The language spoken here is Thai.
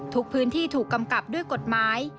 ทุกพื้นที่ถูกกำกับด้วยกฎหมาย